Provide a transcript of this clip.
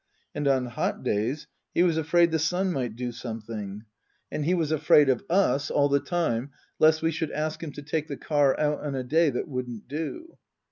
And on hot days he was afraid the sun might do something. And he was Book II : Her Book 227 afraid of us all the time lest we should ask him to take the car out on a day that wouldn't do.